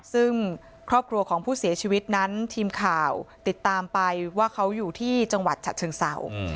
ซึ่งครอบครัวของผู้เสียชีวิตนั้นทีมข่าวติดตามไปว่าเขาอยู่ที่จังหวัดฉะเชิงเศร้า